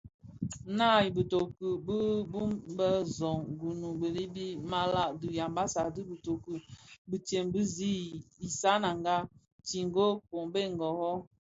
Naa i bitoki bi bon bë Zöň (Gounou, Belibi, malah) di yambassa dhi bitoki bitsem bi zi isananga: Tsingo, kombe, Ngorro,